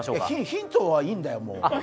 ヒントはいいんだよ、もう。